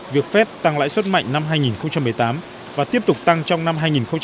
việc phép tăng lãi suất mạnh năm hai nghìn một mươi tám và tiếp tục tăng trong năm hai nghìn một mươi chín